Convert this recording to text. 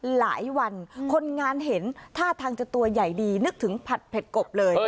หลายวันคนงานเห็นท่าทางจะตัวใหญ่ดีนึกถึงผัดเผ็ดกบเลย